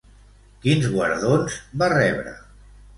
Quins guardons va rebre?